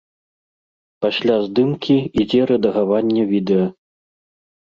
Пасля здымкі ідзе рэдагаванне відэа.